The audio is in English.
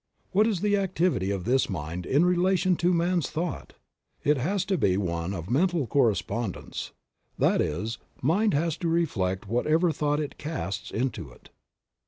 What is the activity of this mind in relation to man's thought ? It has to be one of mental correspondence ; that is, mind has to reflect whatever thought it casts into it.